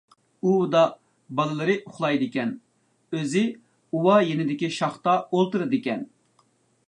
ئۇۋىدا بالىلىرى ئۇخلايدىكەن، ئۆزى ئۇۋا يېنىدىكى شاختا ئولتۇرىدىكەن.